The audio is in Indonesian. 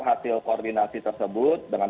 hasil koordinasi tersebut dengan